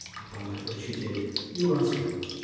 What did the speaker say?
"Upon my word she did. You ask her."